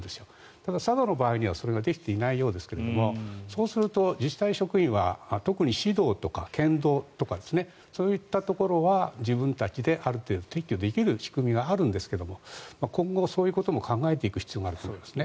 ただ佐渡の場合にはそれができていないようですがそうすると、自治体職員は特に市道とか県道とかそういったところは自分たちである程度撤去できる仕組みがあるんですけれども今後、そういうことも考えていく必要があるということです。